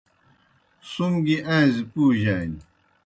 سُم گیْ آݩزی پُوجانیْ